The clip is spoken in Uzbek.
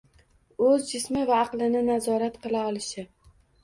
O‘z jismi va aqlini nazorat qila olishi.